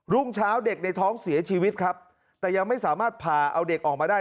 รุ่งเช้าเด็กในท้องเสียชีวิตครับแต่ยังไม่สามารถผ่าเอาเด็กออกมาได้